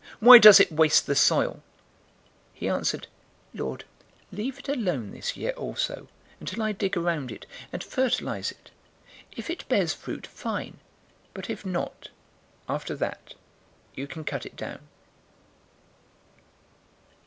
Why does it waste the soil?' 013:008 He answered, 'Lord, leave it alone this year also, until I dig around it, and fertilize it. 013:009 If it bears fruit, fine; but if not, after that, you can cut it down.'"